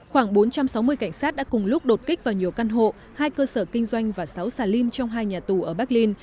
khoảng bốn trăm sáu mươi cảnh sát đã cùng lúc đột kích vào nhiều căn hộ hai cơ sở kinh doanh và sáu xà lim trong hai nhà tù ở berlin